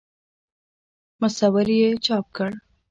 مصور یې چاپ کړم.